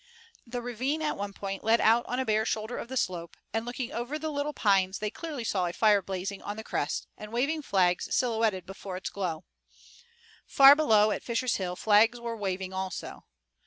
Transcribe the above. The ravine at one point led out on a bare shoulder of the slope, and looking over the little pines they clearly saw a fire blazing on the crest and waving flags silhouetted before its glow. Far below, at Fisher's Hill, flags were waving also.